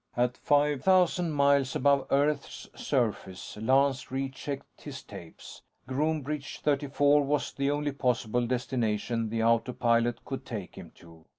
At five thousand miles above Earth's surface, Lance re checked his tapes. Groombridge 34 was the only possible destination the autopilot could take him to.